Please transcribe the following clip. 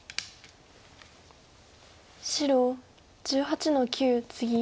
白１８の九ツギ。